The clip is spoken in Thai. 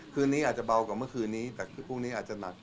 คืนนี้อาจจะเบากว่าเมื่อคืนนี้แต่พรุ่งนี้อาจจะหนัก